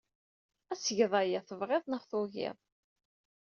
Ad tged aya, tebɣid neɣ tugid.